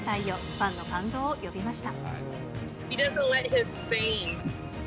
ファンの感動を呼びました。